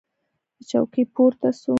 له چوکۍ پورته سو.